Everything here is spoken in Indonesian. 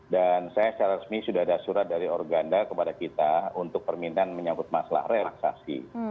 dan saya secara resmi sudah ada surat dari organda kepada kita untuk permintaan menyangkut masalah relaksasi